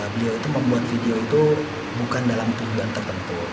beliau itu membuat video itu bukan dalam tujuan tertentu